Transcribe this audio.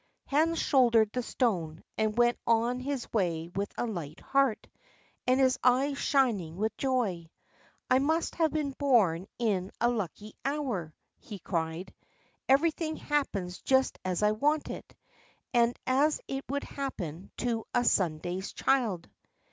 Hans shouldered the stone, and went on his way with a light heart, and his eyes shining with joy. "I must have been born in a lucky hour!" he cried; "everything happens just as I want it, and as it would happen to a Sunday's child."